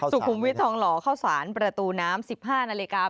สุขุมวิทย์ทองหล่อเข้าสารประตูน้ำ๑๕นาฬิกา